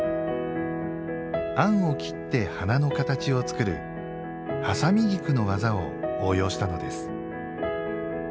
餡を切って花の形を作るはさみ菊の技を応用したのです